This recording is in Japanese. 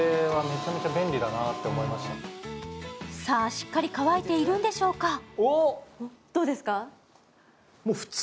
さぁ、しっかり乾いているのでしょうか。